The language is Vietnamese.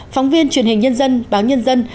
phóng viên truyền hình nhân dân báo nhân dân